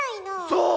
そう！